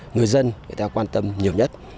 người dân người ta quan tâm nhiều nhất